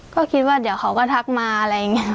ก็คิดว่าเดี๋ยวเขาก็ทักมาอะไรอย่างนี้